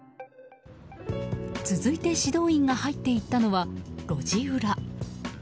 続いて指導員が入っていったのは路地裏。